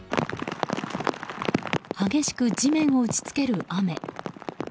激しく地面を打ち付ける雨。